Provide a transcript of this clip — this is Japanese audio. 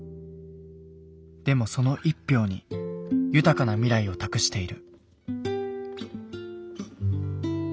でもその１票に豊かな未来を託している。